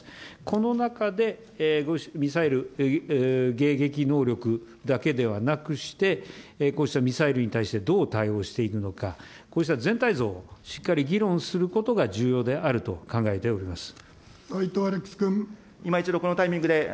この中で、ミサイル迎撃能力だけではなくして、こうしたミサイルに対してどう対応していくのか、こうした全体像をしっかり議論することが重要であると考えております。